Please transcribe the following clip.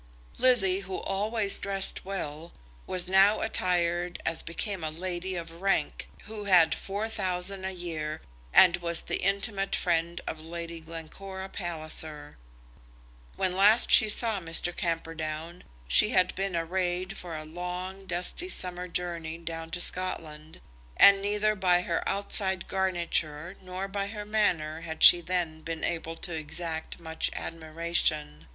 Lizzie, who always dressed well, was now attired as became a lady of rank, who had four thousand a year, and was the intimate friend of Lady Glencora Palliser. When last she saw Mr. Camperdown she had been arrayed for a long, dusty summer journey down to Scotland, and neither by her outside garniture nor by her manner had she then been able to exact much admiration.